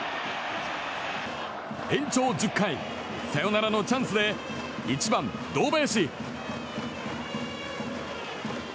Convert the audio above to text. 延長１０回サヨナラのチャンスで１番、堂林。